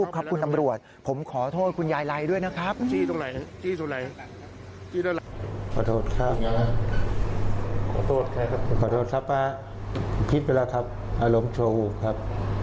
ขอบคุณอำรวจผมขอโทษคุณยายไรด้วยนะครับ